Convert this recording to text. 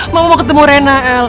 mama mau ketemu rena l